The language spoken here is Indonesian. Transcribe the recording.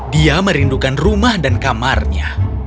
dia merindukan rumah dan kamarnya